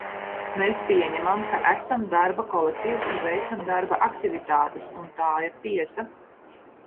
Mēs pieņemam, ka esam darba kolektīvs un veicam darba aktivitātes, un tā ir tiesa.